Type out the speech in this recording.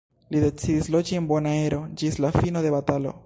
Li decidis loĝi en Bonaero ĝis la fino de batalo.